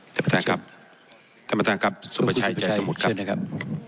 ท่านประธานครับท่านประธานครับซุปชัยใจสมุทรครับ